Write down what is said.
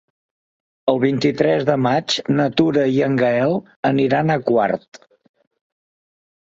El vint-i-tres de maig na Tura i en Gaël aniran a Quart.